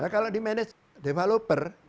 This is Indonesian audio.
kalau dimanage developer